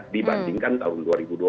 dibandingkan tahun dua ribu dua puluh